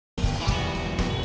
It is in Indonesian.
di sini bisa sejarah